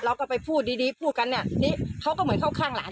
เราก็ไปพูดดีดีพูดกันเนี่ยทีนี้เขาก็เหมือนเข้าข้างหลาน